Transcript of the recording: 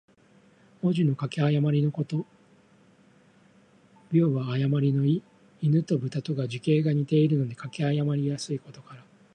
文字の書き誤りのこと。「譌」は誤りの意。「亥」と「豕」とが、字形が似ているので書き誤りやすいことから。